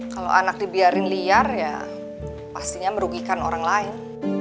kalau anak dibiarin liar ya pastinya merugikan orang lain